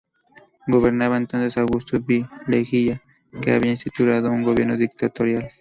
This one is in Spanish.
Gobernaba entonces Augusto B. Leguía, que había instaurado un gobierno dictatorial.